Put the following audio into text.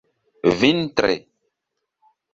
vintre